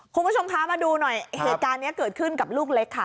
คุณผู้ชมคะมาดูหน่อยเหตุการณ์นี้เกิดขึ้นกับลูกเล็กค่ะ